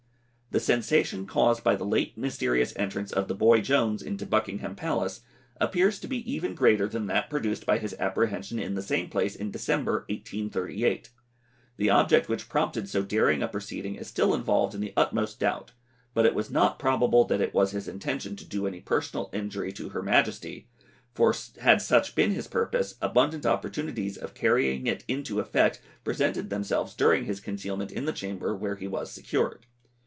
The sensation caused by the late mysterious entrance of the boy Jones into Buckingham Palace, appears to be even greater than that produced by his apprehension in the same place in December, 1838. The object which prompted so daring a proceeding is still involved in the utmost doubt; but it was not probable that it was his intention to do any personal injury to her Majesty, for had such been his purpose abundant opportunities of carrying it into effect presented themselves during his concealment in the chamber where he was secured.